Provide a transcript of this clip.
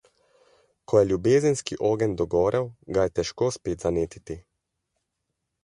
Ko je ljubezenski ogenj dogorel, ga je težko spet zanetiti.